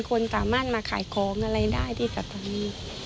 คนสามารถมาขายของอะไรได้ที่สถานี